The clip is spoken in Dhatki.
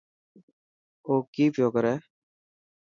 اوڪي پيو ڪري.